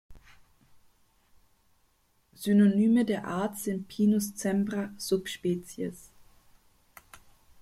Synonyme der Art sind "Pinus cembra" subsp.